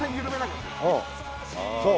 そう。